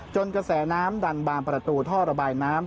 กระแสน้ำดันบางประตูท่อระบายน้ำ